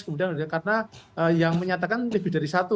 kemudian karena yang menyatakan lebih dari satu